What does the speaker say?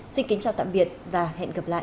xin kính chào tạm biệt và hẹn gặp lại